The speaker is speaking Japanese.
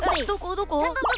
どこ？